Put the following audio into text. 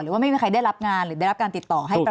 ว่าไม่มีใครได้รับงานหรือได้รับการติดต่อให้